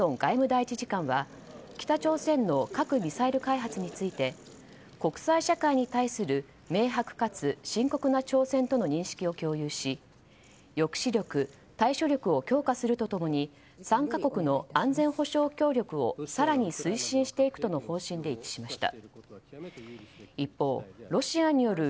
第１次官は北朝鮮の核・ミサイル開発について国際社会に対する明白かつ深刻な挑戦との認識を共有し抑止力、対処力を強化すると共に３か国の安全保障協力を更に推進していくとの方針で一致しました。